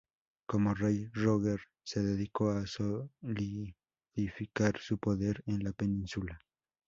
Como rey, Roger se dedicó a solidificar su poder en la península.